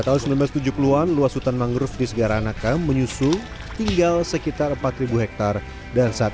tahun seribu sembilan ratus tujuh puluh an luas hutan mangrove di segaranaka menyusul tinggal sekitar empat hektare dan saat